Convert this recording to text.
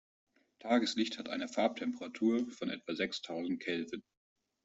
Tageslicht hat eine Farbtemperatur von etwa sechstausend Kelvin.